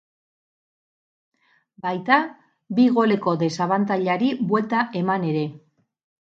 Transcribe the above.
Baita bi goleko desabantailari buelta eman ere.